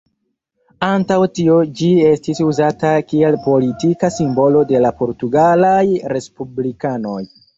Antaŭ tio ĝi estis uzata kiel politika simbolo de la portugalaj respublikanoj.